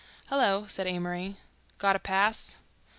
"Hello," said Amory. "Got a pass?"